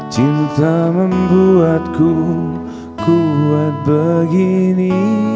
cinta membuatku kuat begini